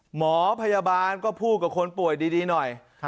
หมอพยาบาลก็พูดกับคนป่วยดีหน่อย